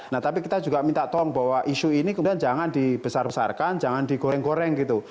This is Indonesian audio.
nah tapi kita juga minta tolong bahwa isu ini kemudian jangan dibesar besarkan jangan digoreng goreng gitu